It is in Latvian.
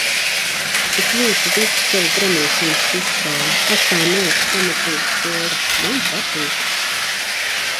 Es jūtu visu savu gremošanas sistēmu, asā mērce pamatīgi silda. Man patīk.